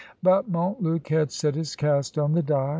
But Montluc had set his cast on the die.